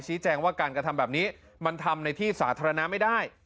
แจ้งว่าการกระทำแบบนี้มันทำในที่สาธารณะไม่ได้